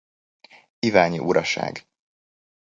Iványi Uraság.